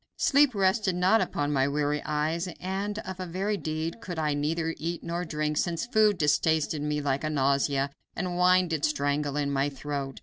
Sleep rested not upon my weary eyes, and of a very deed could I neither eat nor drink, since food distasted me like a nausea, and wine did strangle in my throat.